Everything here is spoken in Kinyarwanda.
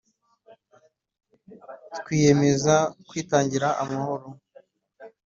twiyemeza kwitangira amahoro